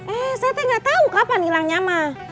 eh saya tidak tahu kapan hilangnya